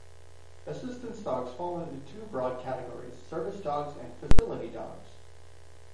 Assistance dogs fall into two broad categories: service dogs and facility dogs.